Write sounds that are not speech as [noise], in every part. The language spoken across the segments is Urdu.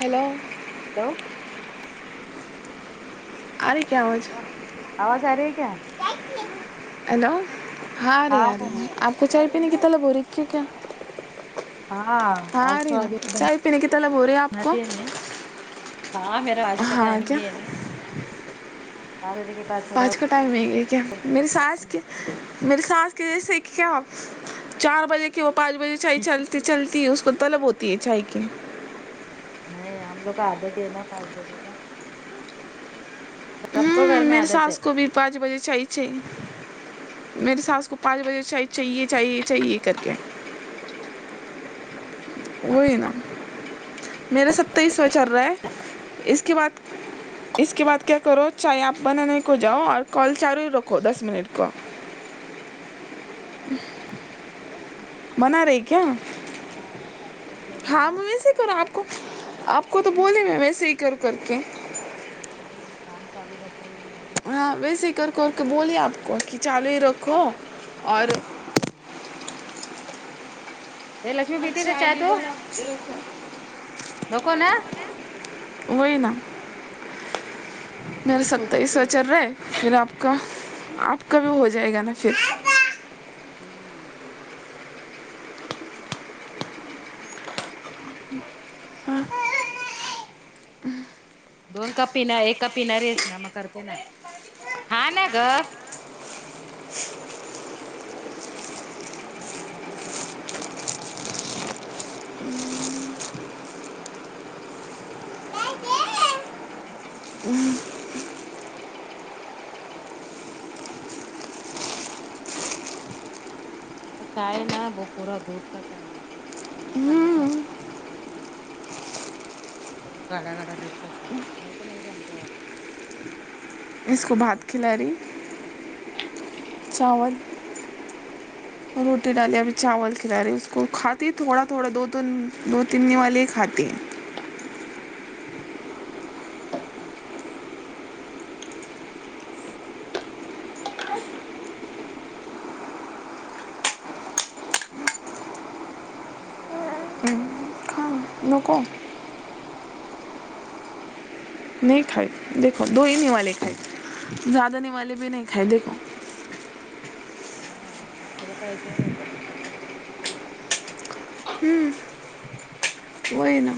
ہیلو ہیلو اری کیا آواز آواز آ رہی ہے کیا ہیلو ہاں اری اری آپ کو آ چائے رہی ہے پینے کی نا طلب ہو رہی ہے کیا ہاں آج آ رہی تھڑا نا بھی وہ چائے پینے کی طلب ہو رہی آپ کو آتی ہے نہیں ہاں میرا آج کل ہاں ٹمنگ کیا یہ ہے آٹھ بجے کے بعد تھوڑا پانچ کا ٹائم نہیں ہے کیا میرے ساس کے میرے ساس کی جیسے ہے کیا آپ چار بجے کے وہ پانچ بجے چائے چلتی چلتی ہے اس کو طلب ہوتی ہے چائے کی نہیں ہم لوگ کا عادت ہے نا پانچ بجے کا سب کو ہوں گھر میں میری عادت ہے ساس کو بھی پانچ بجے چائے چاہیے میری ساس کو پانچ بجے چائ چاہیے چاہیے چاہیے کر کے اچا وہی نہ میرا ستائیس واں چل رہا ہے اس کے بعد اس کے بعد کیا کرو چائے آپ بنانے کو جاؤ اور کال چارو ہی رکھو دس منٹ کا بنا رہی کیا [unintelligible] پانچ ہو گیا ہاں نا میں ویسے ہی کروں آپ کو آپ کو تو بولے میں ویسے ہی کروں کر کے نہیں نہیں کام چالو رکھ رہ ہے میں ابھی ہاں ویسے ہی کرکو کے بولیے آپ کو کہ چالو ہی رکھو اور ہاں یہ لکشمی پیتی نہ چائے بھی تو بنا رکھو نکو نا وہی نا وہ میرا بھی ستوائیس واں پوچھتی چل رہا ہے پھر آپ کا آپ کا بھی ہو جائے گا نا پھر ھمم ہاں دوکپ پینا ہے ایک کپ پینا ہے [unintelligible] ہمم ہاں م چائے نا وہ پورا دودھ کاچائ [unintelligible] تھوڑا گاڑا گاڑا دودھ کا چاے میرے کو نہیں جمتا ہے وہ اس کو بھات کھلا رہی چاول اور روٹی ڈالی ابھی چاول کھلا رہی اس کو کھاتی تھوڑا تھوڑا دو تین دو تین دن نیوالے ہی کھاتی ہے ھمم ابھی نہیں پڑھتے نا بچے لوگ نکو نہیں کھائی دیکھو دو ہی نیوالے کھائی زیادہ نیوالے بھی نہیں کھائی دیکھو ہا ہاں بچچو پیسے رہتا ہمم وہی نا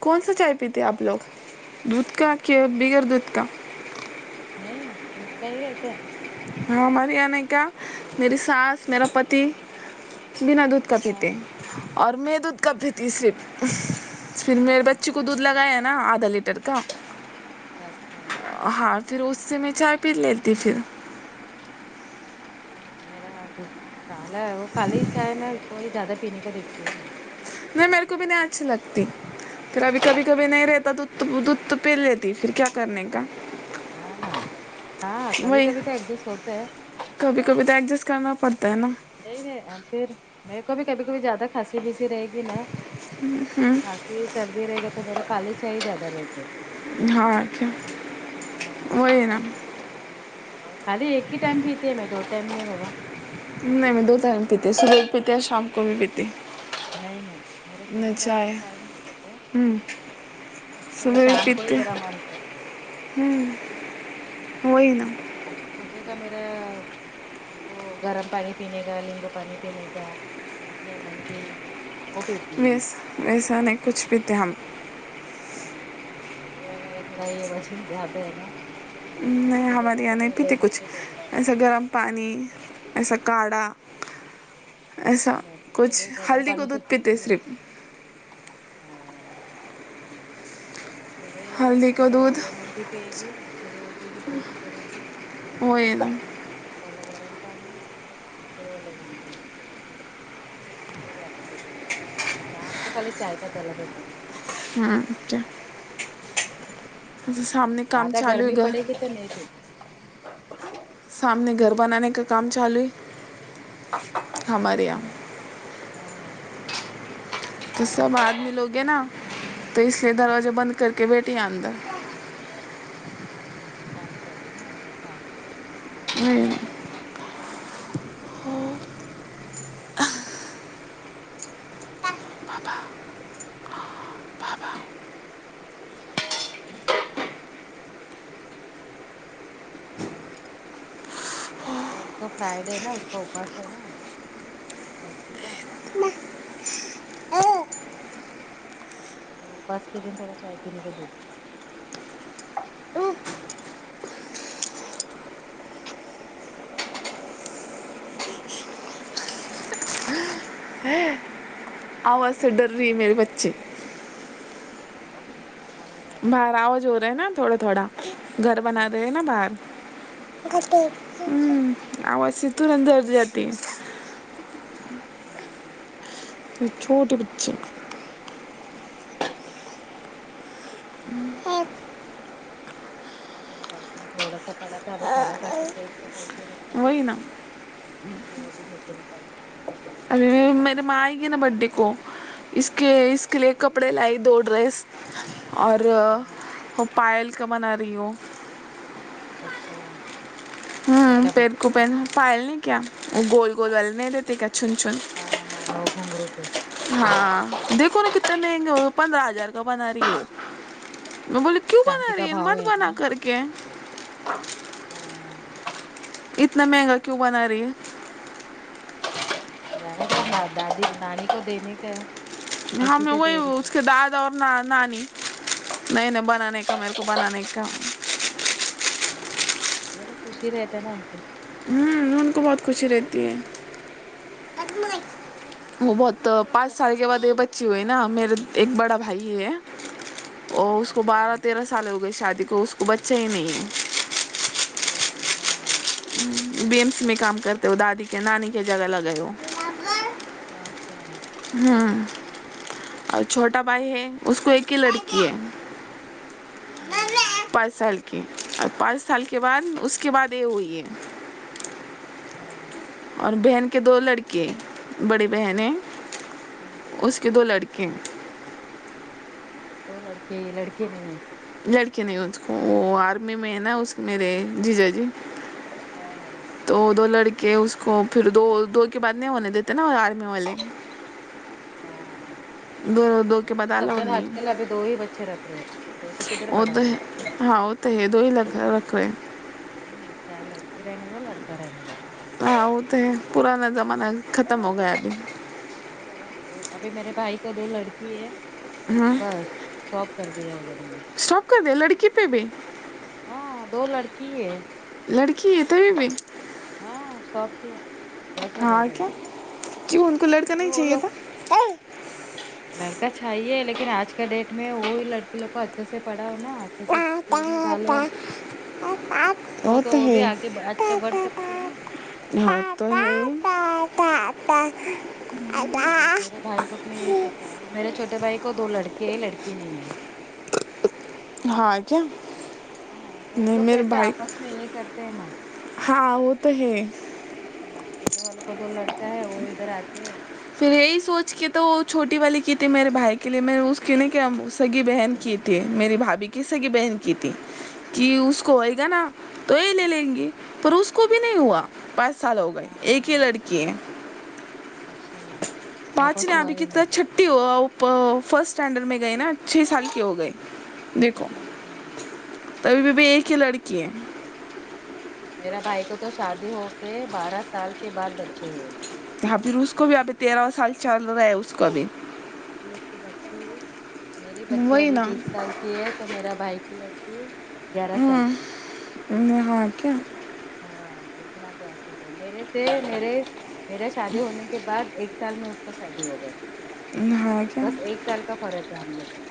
کون سا چائے پیتے آپ لوگ دودھ کا کہ بگر دودھ کا نہیں دودھ کا ہی رہتے ہیں ہاں ہمار آنے کیا میری ساس میرا پتی بنا دودھ کا ہاں پیتے اور میں دودھ کا پیتی صرف پھر میرے بچی کو دودھ لگایا نا آدھا لیٹر کا اچھا ہاں پھر اس سے میں چائے پی لیتی ہ پھر نہیں میرا دودھ کالا ہے وہ کالے ہی چائے نا اس کو زیادہ پینے کو دیکھتے ہی نہیں ہے نہیں میرے کو بھی نہیں اچھی لگتی پھر ابھی کبھی کبھی نہیں رہتا دودھ تو دودھ تو پی لیتی پھر کیا کرنے کا ہاں ن ہاں کبھی وہی کبھی تو ایڈجسٹ ہوتا ہے کبھی کبھی تو ایڈجسٹ کرنا پڑتا ہے نا نہیں نہیں رہے پھر میرے کو بھی کبھی کبھی زیادہ کھاسی بیسی رہے گی نا ہ ہمم کھانسی سردی رہ گی تو میرا کالی چائ ہی زیادہ رہتے ہے ہاں اور کیا وہی نا ہاں خالی ایک ہی ٹائم پیتی ہے میں دو ٹائم نہیں بابا نہیں میں دو ٹائم پیتے صبح بھی پیتے اور شام کو بھی پیتے نہیں نہیں میرا صبح کاج ٹائم ہوتا ہے ہوں کبھی کبھی صبح شام کو بھی پیتے جرا من کرتے ہوں وہی نا صبح کا میرا وہ گرم پانی پینے کا لیمبو پانی پینے کا لیمن بھی وہ پیتی ہو میں ویس صبح ویسا کا نہیں کچھ بھی [unintelligible] تھ ہم ہاں یہ میرا تھوڑا یہ وزن زیادہ ہے نا اس نہیں کے لیے میں ہمارے یہاں نہیں تھوڑا پیتے لیمن کچھ ٹی بولوں گی ایساکہ ہم پانی ایسا کاڑھا ایسا نہیں کچھ صبح ہلدی کو دودھ پیتے صرف ہوں صبح ہلدی کو تھوڑا دودھ لیمن ٹی پیگی چلو کی برش کرے گی وہی نا پہلے گرم پانی پھر وہ لیمن ٹی وہی آجاتے پہلے سے شام کو کبھی چائے کا طلب ہوتا ہے ہاں اچھا ا سامنے کام زیادہ چالو ہے گرمی گھر پڑے گی تو نہیں تھی سامنے گھر بنانے کا کام چالو ہے ہمارے اچھا یہاں ہاں ہاں ہاں ہاں تو سب آدمی لوگ ہیں نا تو اس لیے دروازہ بند کر کے بیٹھے ہیں اندر ہ کام چالو ہے نا اندر ہاں ہوں ابا بابا وہ اس کو فرائیڈے نا اس کو پاس ہے نا آج لڑکی کا تو پس کے ہم تھوڑا چائے پینے کو دیکھتے ہے آواز سے ڈر رہی ہے میری بچی ہوں براوج ہو رہا ہے نا تھوڑا تھوڑا گھر ہے بنا دے نا باہر ہا ہاں آواز سیدھی اندر جاتی ہوں ہوں چھوٹے بچے ہوں نہیں تھوڑا برتن تھوڑا سا پڑا تھا ابھی کھانا کھا کے پیٹ سفیسے ہی رکھی تھی وہی نا وہ بھی دھوکے نکالتی اب میرے ماں گی نا برڈے کو اس کے اس کے لیے کپڑے لائی دو ڈریس اور ہیں پائل کا بنا رہی ہوں اچھا ہوں پہلا پیر برڈے کو نا پیر اس کے لیے پائل نہیں کیا وہ گول گول والے نہیں دیتے کیا چھن چھن ہاں ہاں ا گھگرو کے ہاں دیکھو نا کتنے مہنگے ہو پندرہ ہزار کا بنا رہی ہو میں بولیے کیوں چاندی بنا کا رہی ہے بھاؤ مت بنا نا کر کے ہاں اتنا مہنگا کیوں بنا رہی ہے دادی نانی کو دینے کا ہے خوشی ہم سے وہی دے رہی ہے اس کے داد اور نانی نہیں نہیں بنانے کا میرے کو بنانے کا ہاں میرے خوشی رہتے ہے نا ان کو ہ ان کو بہت ناپی لوگ خوشی کو رہتی ہے وہ ہمم بہت پانچ کرتے سال کے ہیں بعد یہ بچی ہوئی ہے نا میرے ایک بڑا بھائی ہے اور اس کو اچھا بارہ تیرہ سال ہو گئی شادی کو اس کو بچہ ہی نہیں ہے ارے ہاں بی ایم سی میں کام کرتے ہو دادی کے نانی کے جگہ لگئے ہو اچھا ہوں اور چھوٹا بھائی ہے اس کو ایک ہی لڑکی ہے ہوں ہ ہ پانچ سال کی اور پانچ سال کے بعد اس کے بعد یہ ہوئی ہے اچھا اور بہن کے دو لڑکے بڑی بہن ہیں ہوں ہ ہ اس کے دو لڑکی کہم دو لڑکے ہی لڑکے نہیں ہیں لڑکے نہیں اس کو وہ آرمی میں ہے نا اس میرے جی جا جی ہاں ہاں ہاں تو دو لڑکے اس کو پھر دو دو کے بعد نہیں ہونے دیتے نا آرمی والے ہاں دو دو کے بعد سب الاؤڈ دن آج نہیں کل ابھی دو ہی بچے رکھ رہے ہیں دو سے کدھر وہ بڑھا تو ہے رہے ہیں ہاں ہو تو ہے دو ہی لکھ [unintelligible] رکھوے ہوں چاہے لڑکی رہنے دو یا لڑکا رہنے دو ہاں وہ تو ہے پرانا زمانہ ختم ہو گیا ابھی نہیں با ابھی میرے بھائی کو دو لڑکی ہے ہوں بس اسٹاپ کر د یا ہیں وہ لوگوں نے اسٹاپ کر دیں لڑکی پہ بھی ہاں دو لڑکی ہے لڑکی ہے تو بھی ہاں سب ہاں کیا کیوں ان کو لڑکا نہیں تو وہ چاہیے تھا لوگ لڑکا چھاہیے لیکن آج کے ڈیٹ میں وہی لڑکی لوگ کو اچھے سے پڑھا ہوناا جسے اسکول میں ڈالو وہ تو وہ بھی آگے اچھا بڑھ سکتی ہے نا [inaudible] میرا بھائی لوگ نے یہی [inaudible] سوچا اور میرے چوٹے بھائی کو دو لڑک ہی لڑکی نہیں ہے ہاں کیا ہاں تو وہ نہیں لوگ میرے کیسے بھائی آپس میں یہ کرتے ہیں نا ہاں وہ تو ہے ہاں چھوٹے والے کو دو لڑکا ہے وہ ادھر آتے ہیں پھر یہی سوچ کے تھا وہ چھوٹی والی کی تھی میرے بھائی کے لیے میں اس کیوں سگی بہن کی تھی تھی میری بھابھی کی سگی بہن کی تھی کہ اس کو آئے گا نا تو یہ لے لیں گے پر اس کو بھی نہیں ہوا پاس سال ہو گئے ایک ہی ہاں لڑکی ہے اچھا واپس پانچنے ہوا ابھی کی ہی طرح نہیں چھٹی ہو فرسٹ اسٹینڈرڈ میں گئی نا چھ سال کی ہو گئی دیکھو ہمم تبھی بیبھی ایک ہی لڑکی ہے میرے بھائی کو تو شادی ہو کے بارہ سال کے بعد بچے ہوئے پھر اس کو بھی ابھی تیرہ سال چل رہا ہے اس کو بھی ابھی اس کی بچی میری بچی وہی ابھی نا بیس چلتی ہے تو میرا بھائی کی لڑکی گیارہ سال کی ہے ہوں ہاں کیا ہاں اتنا کیاپ ہو گئے میرے سے میرے میرا شادی ہونے کے بعد ایک سال میں اس کا شادی ہوگیا ہاں کیا بس ایک سال ت فرق ہے لگ [unintelligible]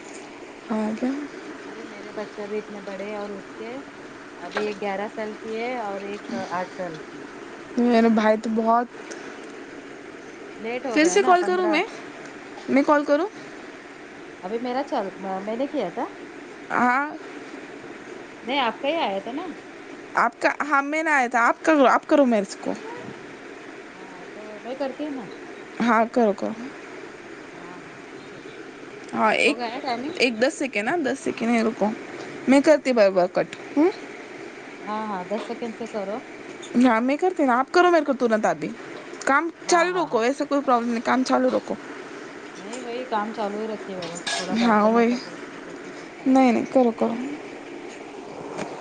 اور کیا پھر بھی میرے بچے بھی اتنے بڑے اور اس کے ابھی گیارہ سال کی ہے اور ایک آٹھ سال کی ہے میرے بھائی تو بہت لیٹ ہو پھر گیا سے نا کال کروں پندرہ میں میں کال کروں ابھی میرا چر میں نے کیا تھا ہاں نہیں آپ کا ہی آیا تھا نا آپ کا ہاں میرا آیا تھا آپ کا آپ کروں میرے کو ہاں تو میں کرتی ہوں نا ہاں کرو کرو ہاں ٹھیک ہے ہاں ایک ہو گیا نا ٹائمنگ ایک دس سیکنڈ ہا دس سیکنڈ ہے رکو میں کرتی برابر کٹ ہوں ہاں ہاں دس سیکنڈ سے کرو ہاں میں کرتی نا آپ کرو میرےکو ترنت ابھی کام ہاں چالو ہاں راکھو ہاں ایسے کوئی پرابلم نہیں کام چالو راکھو نہیں بهائی کام چالو ہی رکھیے ہے تھوڑا ہاں برتن ہے وہی سب پوچھتے پوچھتے سب صاف نہیں نہیں کررہی کرو کرو ہو